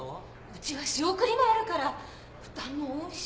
うちは仕送りもあるから負担も多いし。